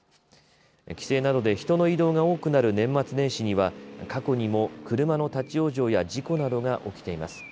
帰省などで人の移動が多くなる年末年始には過去にも車の立往生や事故などが起きています。